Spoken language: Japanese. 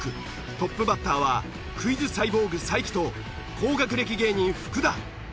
トップバッターはクイズサイボーグ才木と高学歴芸人福田。